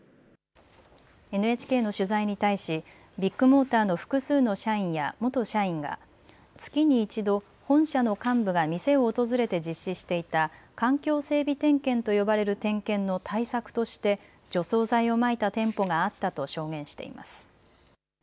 ＮＨＫの取材に対しビッグモーターの複数の社員や元社員が月に一度、本社の幹部が店を訪れて実施していた環境整備点検と呼ばれる点検の対策として除草剤をまいた店舗があったと証言しています。